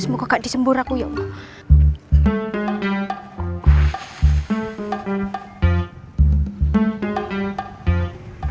semoga kak disembur aku ya allah